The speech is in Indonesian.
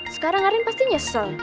sekarang arin pasti nyesel